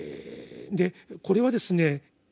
でこれはですね